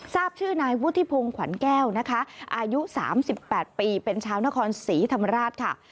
ทราบชื่อนายวุฒิพงศ์ขวัญแก้วนะคะอายุ๓๘ปีเป็นชาวนครศรีธรรมราชค่ะ